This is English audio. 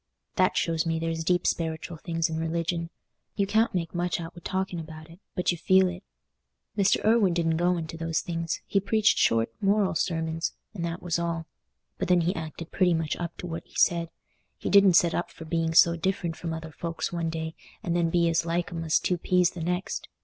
That shows me there's deep speritial things in religion. You can't make much out wi' talking about it, but you feel it. Mr. Irwine didn't go into those things—he preached short moral sermons, and that was all. But then he acted pretty much up to what he said; he didn't set up for being so different from other folks one day, and then be as like 'em as two peas the next.